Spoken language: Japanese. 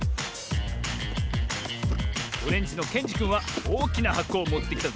オレンジのけんじくんはおおきなはこをもってきたぞ。